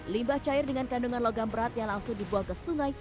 limbah cair dengan kandungan logam berat yang langsung dibuang ke sungai